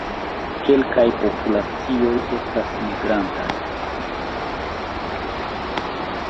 Kelkaj populacioj estas migrantaj.